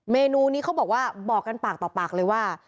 เมนูนี้เขาบอกว่าบอกกันปากต่อปากเลยว่า